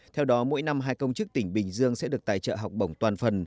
theo đó mỗi năm hai công chức tỉnh bình dương sẽ được tài trợ học bổng toàn phần